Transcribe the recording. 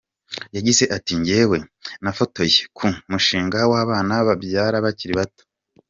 Yagize ati :"Jyewe nafotoye ku mushinga w’abana babyara bakiri bato.